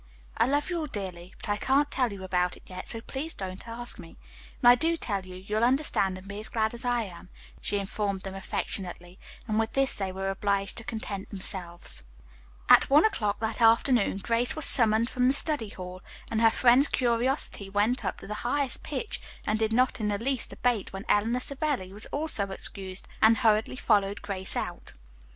"I love you all dearly, but I can't tell you about it yet, so please don't ask me. When I do tell you, you'll understand and be as glad as I am," she informed them affectionately, and with this they were obliged to content themselves. At one o'clock that afternoon Grace was summoned from the study hall, and her friends' curiosity went up to the highest pitch and did not in the least abate when Eleanor Savelli was also excused and hurriedly followed Grace out.